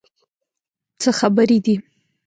څه خبرې دي؟